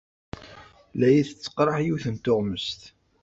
La iyi-tettaqraḥ yiwet n tuɣmest.